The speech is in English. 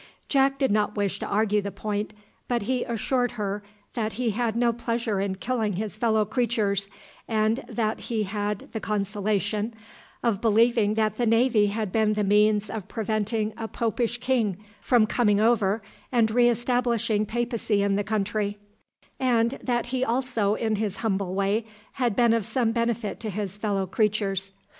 Jack did not wish to argue the point, but he assured her that he had no pleasure in killing his fellow creatures, and that he had the consolation of believing that the navy had been the means of preventing a Popish King from coming over and re establishing papacy in the country; and that he also in his humble way had been of some benefit to his fellow creatures.